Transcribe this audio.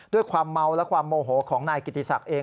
ด้วยความเมาและความโมโหของนายกิติศักดิ์เอง